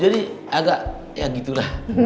jadi agak ya gitu lah